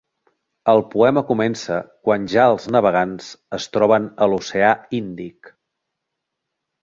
El poema comença quan ja els navegants es troben a l'oceà Índic.